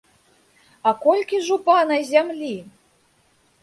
А колькі ж у пана зямлі?